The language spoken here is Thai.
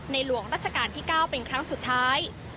หลวงรัชกาลที่๙เป็นครั้งสุดท้าย